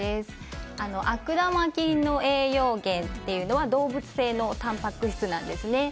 悪玉菌の栄養源というのは動物性のたんぱく質なんですね。